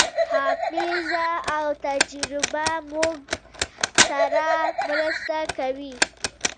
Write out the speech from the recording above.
حافظه او تجربه موږ سره مرسته کوي.